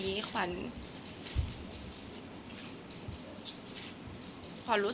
แต่ขวัญไม่สามารถสวมเขาให้แม่ขวัญได้